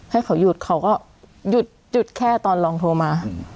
ให้เขาหยุดเขาก็หยุดแค่ตอนลองโทรมา